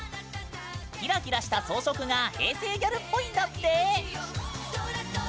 キラキラした装飾が平成ギャルっぽいんだって。